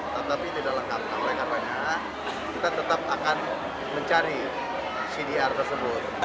tetapi tidak lengkap oleh karena kita tetap akan mencari cdr tersebut